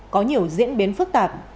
có nhiều diễn biến phức tạp